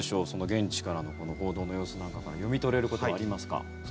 現地からの報道の様子なんかから読み取れることはありますか？